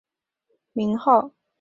街道以英皇佐治五世的称号命名。